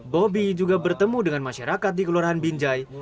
bobby juga bertemu dengan masyarakat di keluarga binjai